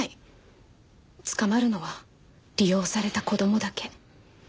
捕まるのは利用された子供だけ。